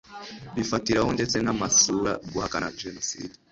bifatiraho ndetse n amasura guhakana jenoside